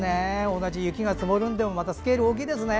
同じ雪が積もるのでもまたスケールが大きいですね。